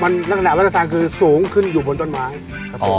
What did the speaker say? นักหนาว่าทาซานคือสูงขึ้นอยู่บนต้นหมาครับ